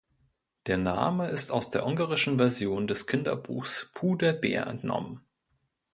Der Name ist aus der ungarischen Version des Kinderbuchs Pu der Bär entnommen.